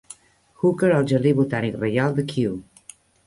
Hooker al Jardí Botànic Reial de Kew.